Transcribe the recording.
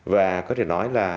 và có thể nói là